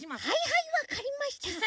はいはいわかりました。